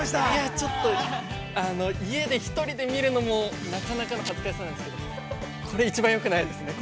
◆ちょっと、家で１人で見るのもなかなかの恥ずかしさなんですけどこれ一番よくないですね。